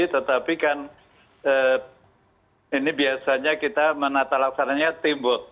tetapi kan ini biasanya kita menata laksananya timbul